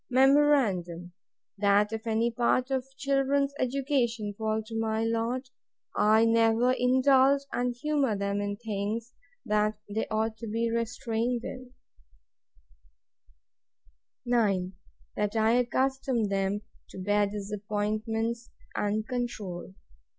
Memorandum; That if any part of children's education fall to my lot, I never indulge and humour them in things that they ought to be restrained in. 9. That I accustom them to bear disappointments and control.